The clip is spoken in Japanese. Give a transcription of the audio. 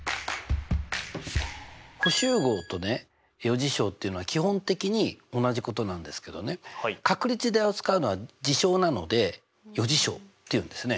補集合とね余事象っていうのは基本的に同じことなんですけどね確率で扱うのは事象なので余事象っていうんですね。